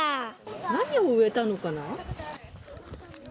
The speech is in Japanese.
何を植えたのかな。